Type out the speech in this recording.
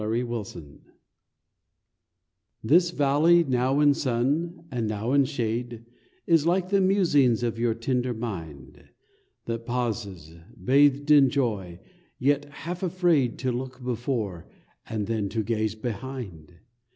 TREPIDATION This valley now in sun, and now in shade, Is like the musings of your tender mind, That pauses, bathed in joy, yet half afraid To look before, and then to gaze behind.